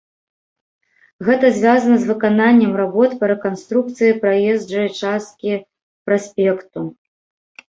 Гэта звязана з выкананнем работ па рэканструкцыі праезджай часткі праспекту.